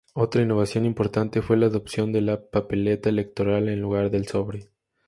Otra innovación importante fue la adopción de la papeleta electoral en lugar del sobre.